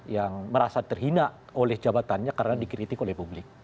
yang merasa terhina oleh jabatannya karena dikritik oleh publik